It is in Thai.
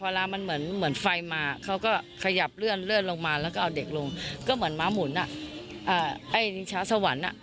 เวลามันเหมือนเหมือนไฟมาเขาก็ขยับเลื่อนเลื่อนลงมาแล้วก็เอาเด็กลงก็เหมือนม้าหมุนอ่ะอ่าไอ้ชาวสวรรค์อ่ะ